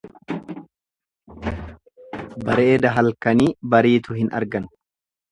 Bareeda halkanii bariitu hin argan.